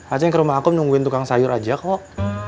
aceh ke rumah aku nungguin tukang sayur aja kok